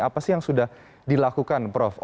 apa sih yang sudah dilakukan prof